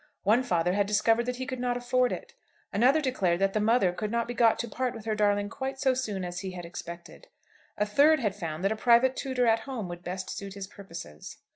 One father had discovered that he could not afford it. Another declared that the mother could not be got to part with her darling quite so soon as he had expected. A third had found that a private tutor at home would best suit his purposes.